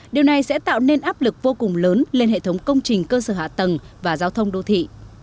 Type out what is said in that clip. điều này sẽ tạo nên áp lực vô cùng lớn lên hệ thống công trình cơ sở hạ tầng và giao thông đô thị